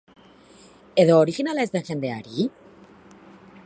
Edo originala ez den jendeari?